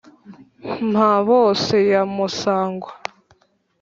mpabose ya musangwa,